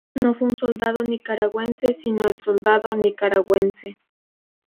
No fue un soldado nicaragüense, sino el soldado nicaragüense.